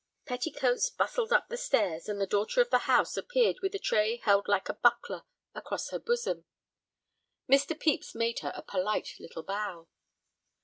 Petticoats bustled up the stairs, and the daughter of the house appeared with a tray held like a buckler across her bosom. Mr. Pepys made her a polite little bow.